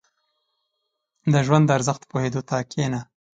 • د ژوند د ارزښت پوهېدو ته کښېنه.